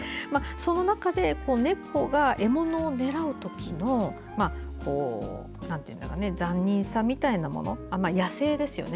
その中で猫が獲物を狙う時の残忍さみたいなもの野性ですよね。